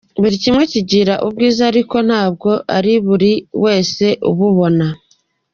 Buri kimwe kigira ubwiza ariko ntabwo ari buri wese ububona.